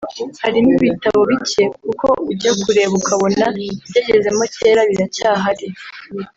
Harimo ibitabo bike kuko ujya kureba ukabona ibyagezemo kera biracyahari